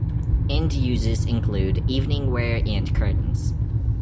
End uses include evening-wear and curtains.